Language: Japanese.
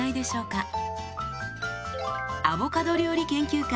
アボカド料理研究家